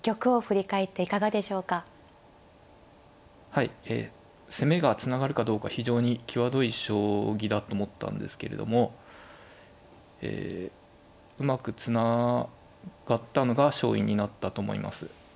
はいえ攻めがつながるかどうか非常に際どい将棋だと思ったんですけれどもえうまくつながったのが勝因になったと思います。